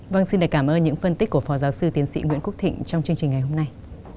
vâng xin cảm ơn những phân tích của phó giáo sư tiến sĩ nguyễn quốc thịnh trong chương trình ngày hôm nay